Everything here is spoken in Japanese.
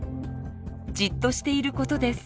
じっとしていることです。